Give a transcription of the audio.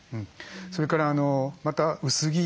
それからまた薄着。